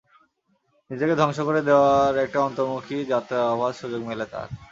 নিজেকে ধ্বংস করে দেওয়ার একটা অন্তর্মুখী যাত্রার অবাধ সুযোগ মেলে তাঁর।